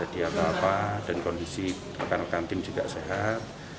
jadi apa apa dan kondisi rekan rekan tim juga sehat